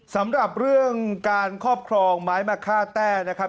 สำหรับเรื่องการครอบครองไม้มะค่าแต้นะครับ